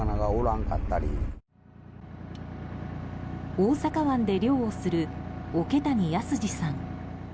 大阪湾で漁をする桶谷安治さん。